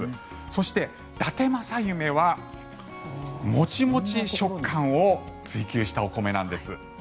そして、だて正夢はモチモチ食感を追求したお米なんです。